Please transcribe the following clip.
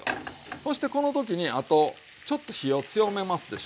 そしてこの時にあとちょっと火を強めますでしょ。